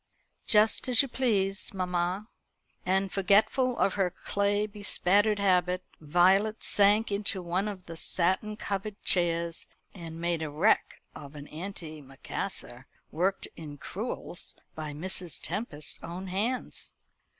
"Just as you please, mamma." And forgetful of her clay bespattered habit, Violet sank into one of the satin covered chairs, and made a wreck of an antimacassar worked in crewels by Mrs. Tempest's own hands.